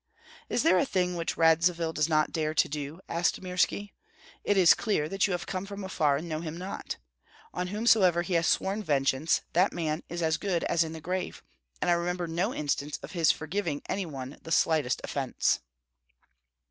"Is there a thing which Radzivill does not dare to do?" asked Mirski. "It is clear that you have come from afar and know him not. On whomsoever he has sworn vengeance, that man is as good as in the grave; and I remember no instance of his forgiving any one the slightest offence."